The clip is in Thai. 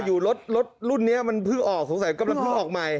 คุณนี้มันเพิ่งออกสงสัยก็เพิ่งออกใหม่